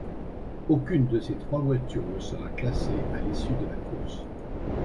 Aucune de ces trois voitures ne sera classée à l'issue de la course.